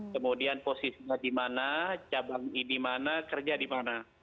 kemudian posisinya di mana cabang ini mana kerja di mana